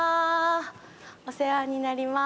お世話になります。